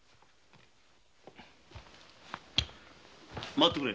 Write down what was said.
待ってくれ。